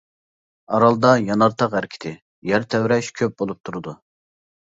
ئارالدا يانار تاغ ھەرىكىتى، يەر تەۋرەش كۆپ بولۇپ تۇرىدۇ.